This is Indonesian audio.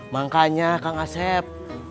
makanya kang asep